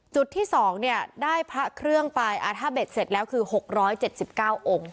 จุดที่สองเนี่ยได้พระเครื่องไปอาธบิตเสร็จแล้วคือหกร้อยเจ็ดสิบเก้าองค์